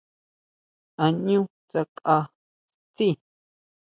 A ʼñú tsakʼa tsjí?